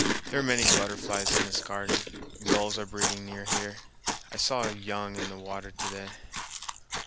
There are many butterflies in this garden. Gulls are breeding near here. I saw young in the water to day.